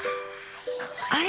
あれ？